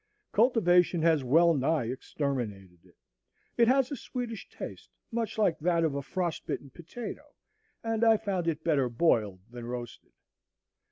Cultivation has well nigh exterminated it. It has a sweetish taste, much like that of a frostbitten potato, and I found it better boiled than roasted.